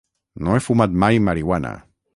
No he fumat mai marihuana